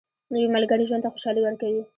نوې ملګرې ژوند ته خوشالي ورکوي